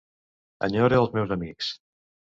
Enyore els meus amics.